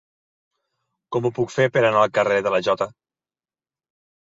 Com ho puc fer per anar al carrer de la Jota?